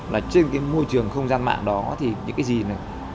là trên cái môi trường không gian mạng đó thì những cái gì này